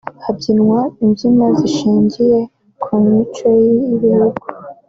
habyinwa imbyino zishingiye ku mico y’ibihugu